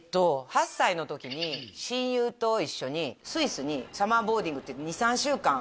８歳の時に親友と一緒にスイスにサマーボーディングって２３週間